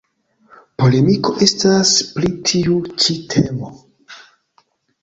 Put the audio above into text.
Polemiko estas pri tiu ĉi temo.